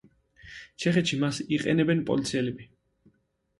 ჩეხეთში მას იყენებენ პოლიციელები.